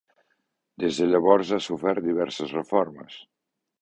Des de llavors ha sofert diverses reformes.